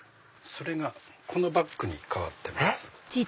それがこのバッグに変わってます。